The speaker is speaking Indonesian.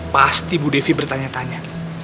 pasti ibu devi bertanya tanya